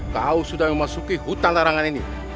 kau sudah memasuki hutan larangan ini